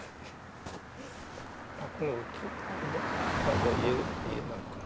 じゃあ家なのかな？